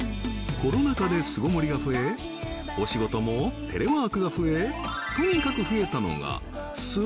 コロナ禍で巣ごもりが増えお仕事もテレワークが増えとにかく